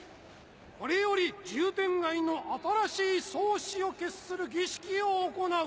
これより渋天街の新しい宗師を決する儀式を行う。